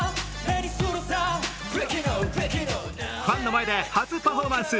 ファンの前で初パフォーマンス。